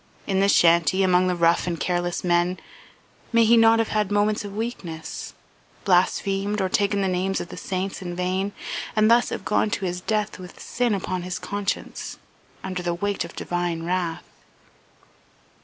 In the shanty, among rough and careless men, may he not have had moments of weakness; blasphemed or taken the names of the saints in vain, and thus have gone to his death with sin upon his conscience, under the weight of divine wrath.